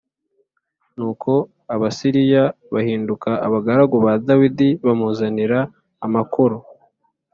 nuko Abasiriya bahinduka abagaragu ba Dawidi bamuzanira amakoro.